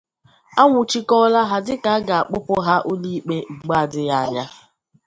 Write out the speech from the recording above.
a nwuchikọọla ha dịka a ga-akpụpụ ha ụlọikpe mgbe adighi anya